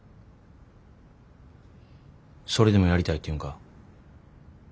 それでもやりたいっていうんか？